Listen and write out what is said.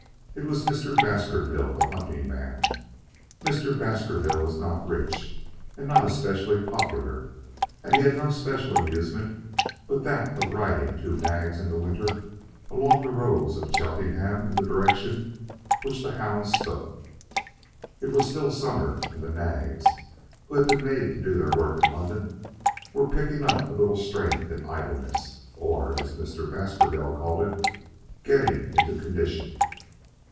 It was Mr. Baskerville, the hunting man. Mr. Baskerville was not rich, and not especially popular, and had no special amusement but that of riding two nags in the winter along the roads of Cheltenham in the direction which the hounds took. It was still summer, and the nags, who had been made to do their work in London, were picking up a little strength in idleness, or, as Mr. Baskerville called it, getting into condition.